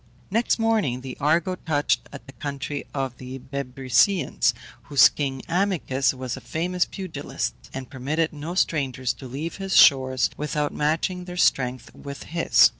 Next morning the Argo touched at the country of the Bebrycians, whose king Amycus was a famous pugilist, and permitted no strangers to leave his shores without matching their strength with his.